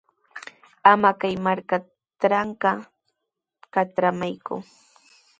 Ama kay markatrawqa katramayku.